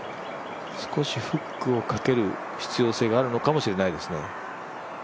少しフックをかける必要性があるのかもしれないですね。